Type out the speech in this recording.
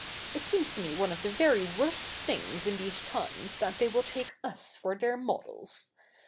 It seems to me one of the very worst things in these times that they will take us for their models.